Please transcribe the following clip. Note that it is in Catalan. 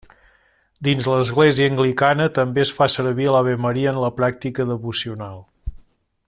Dins l'Església Anglicana també es fa servir l'avemaria en la pràctica devocional.